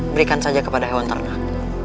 berikan saja kepada hewan ternak